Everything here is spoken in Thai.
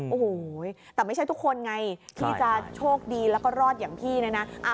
โอ้โหแต่ไม่ใช่ทุกคนไงที่จะโชคดีแล้วก็รอดอย่างพี่เนี่ยนะ